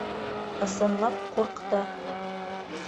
Ысынлап ҡурҡты.